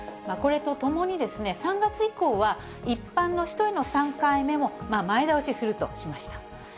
これとともに、３月以降は、一般の人への３回目も前倒しするとしました。